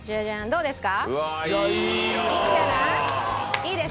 どうですか？